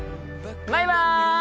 バイバイ！